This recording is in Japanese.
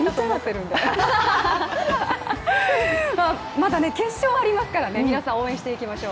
まだね、決勝ありますからね皆さん応援していきましょう。